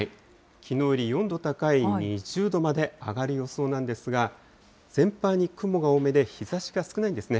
きのうより４度高い２０度まで上がる予想なんですが、全般に雲が多めで、日ざしが少ないんですね。